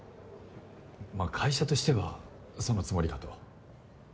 まあ会社としてはそのつもりかと。